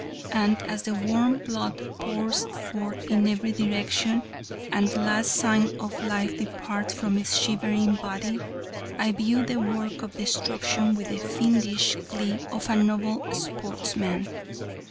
And as the warm blood pours forth in every direction and the last sign of life departs from its shivering body, I view the work of destruction with the fiendish glee of a noble sportsman.